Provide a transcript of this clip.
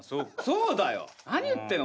そうだよ何言ってんの。